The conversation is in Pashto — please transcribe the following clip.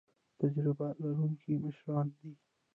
تجربه لرونکي مشران دي